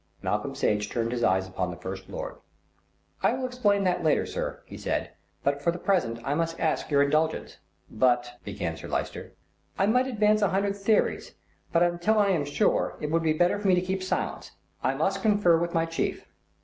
Malcolm Sage turned his eyes upon the First Lord. "I will explain that later, sir," he said, "but for the present I must ask your indulgence." "But " began Sir Lyster. "I might advance a hundred theories; but until I am sure it would be better for me to keep silence. I must confer with my chief."